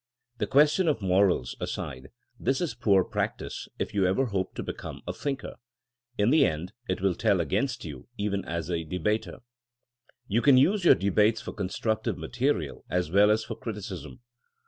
The question of morals aside, this is poor practice if you ever hope to become a thinker. In the end, it will tell against you even as a debater. You can use your debates for constructive ma terial as weU as for criticism.